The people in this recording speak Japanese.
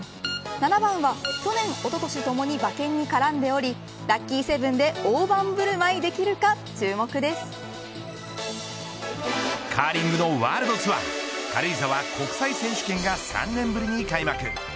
７番は去年、おととしともに馬券に絡んでおりラッキーセブンでオオバンブルマイできるかカーリングのワールドツアー軽井沢国際選手権が３年ぶりに開幕。